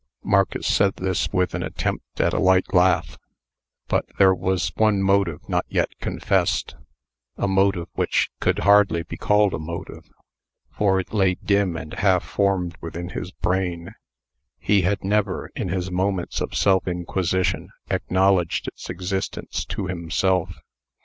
Marcus said this with an attempt at a light laugh. But there was one motive not yet confessed a motive which could hardly be called a motive, for it lay dim and half formed within his brain. He had never, in his moments of self inquisition, acknowledged its existence to himself.